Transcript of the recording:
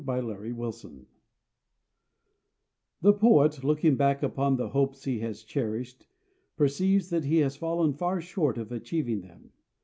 MY TRIUMPH The poet, looking back upon the hopes he has cherished, perceives that he has fallen far short of achieving them.